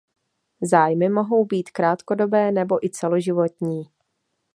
Zájmy mohou být krátkodobé nebo i celoživotní.